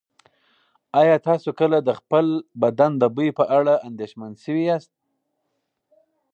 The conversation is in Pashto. ایا تاسو کله د خپل بدن د بوی په اړه اندېښمن شوي یاست؟